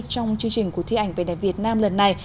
trong chương trình của thi ảnh vẻ đẹp việt nam lần này